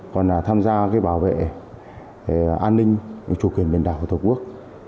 còn tham gia bảo vệ an ninh chủ quyền biển đảo của tổ quốc